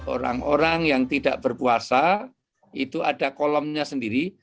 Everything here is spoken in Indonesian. orang orang yang tidak berpuasa itu ada kolomnya sendiri